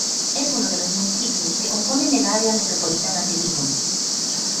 Es uno los municipios que componen el Área Metropolitana de Vigo.